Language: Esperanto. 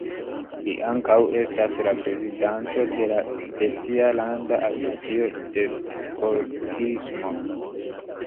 Li ankaŭ estas la prezidanto de sia landa asocio de skoltismo.